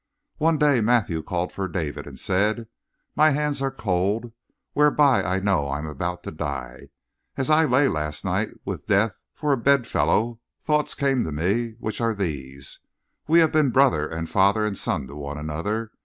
"One day Matthew called for David and said: 'My hands are cold, whereby I know I am about to die. As I lay last night with death for a bedfellow thoughts came to me, which are these: We have been brother and father and son to one another.